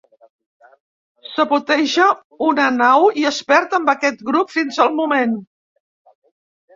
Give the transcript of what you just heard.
Saboteja una nau i es perd amb aquest grup fins al moment.